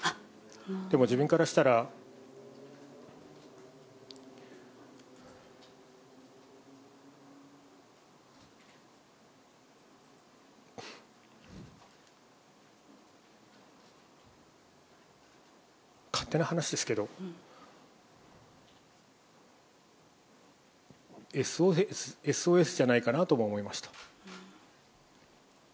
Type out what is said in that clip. でも自分からしたら、勝手な話ですけど、ＳＯＳじゃないかなとも思いました。